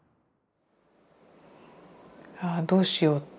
ああどうしようって。